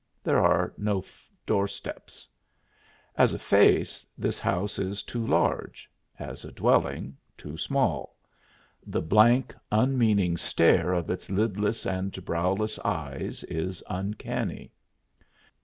There are no doorsteps. As a face, this house is too large; as a dwelling, too small. The blank, unmeaning stare of its lidless and browless eyes is uncanny.